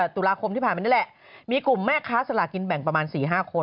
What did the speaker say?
ตุลาคมที่ผ่านมานี่แหละมีกลุ่มแม่ค้าสลากินแบ่งประมาณ๔๕คน